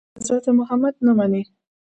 د حضرت محمد نه مني.